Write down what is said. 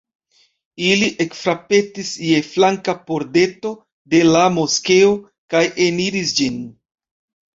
Ili ekfrapetis je flanka pordeto de la moskeo kaj eniris ĝin.